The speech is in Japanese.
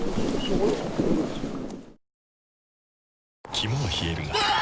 肝は冷えるがうわ！